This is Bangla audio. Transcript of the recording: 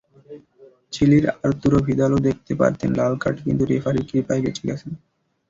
চিলির আর্তুরো ভিদালও দেখতে পারতেন লাল কার্ড, কিন্তু রেফারির কৃপায় বেঁচে গেছেন।